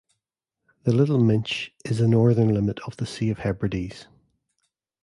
The Little Minch is the northern limit of the Sea of the Hebrides.